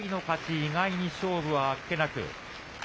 意外に勝負はあっけなく。